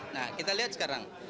nah kita lihat sekarang